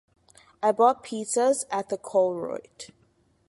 I bought pizza’s at the Colruyt.